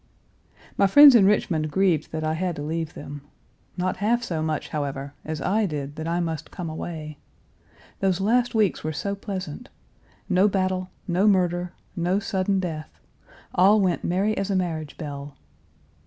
My friends in Richmond grieved that I had to leave them not half so much, however, as I did that I must come away. Those last weeks were so pleasant. No battle, no murder, no sudden death, all went merry as a marriage bell.